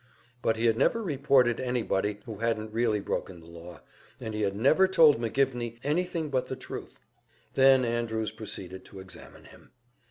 But he had never reported anybody who hadn't really broken the law, and he had never told McGivney anything but the truth. Then Andrews proceeded to examine him.